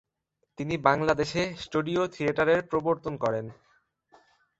তিনি বাংলাদেশে স্টুডিও থিয়েটারের প্রবর্তন করেন।